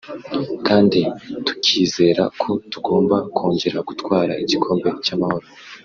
kandi tukizera ko tugomba kongera gutwara igikombe cy’Amahoro